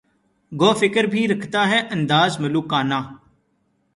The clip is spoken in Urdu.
گو فقر بھی رکھتا ہے انداز ملوکانہ